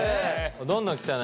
どんどん来たね。